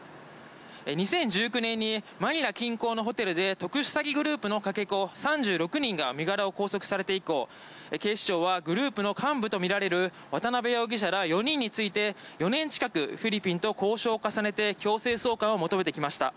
２０１９年にマニラ近郊のホテルで特殊詐欺事件のかけ子３６人が身柄を拘束されて以降、警視庁はグループの幹部とみられる渡邉容疑者ら４人について４年近くフィリピンと交渉を重ねて強制送還を求めてきました。